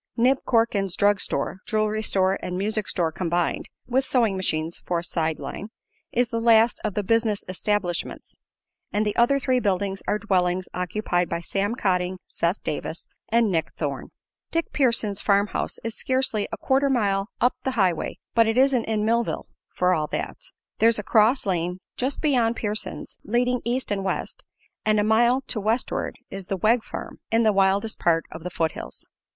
Nib Corkins' drug store, jewelry store and music store combined (with sewing machines for a "side line"), is the last of the "business establishments," and the other three buildings are dwellings occupied by Sam Cotting, Seth Davis and Nick Thorne. Dick Pearson's farm house is scarcely a quarter of a mile up the highway, but it isn't in Millville, for all that. There's a cross lane just beyond Pearson's, leading east and west, and a mile to westward is the Wegg Farm, in the wildest part of the foothills.